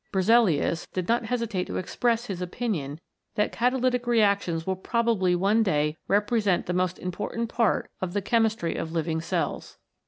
Berzelius did not hesitate to express his opinion that catalytic reactions will probably one day represent the most im portant part of the chemistry of living cells.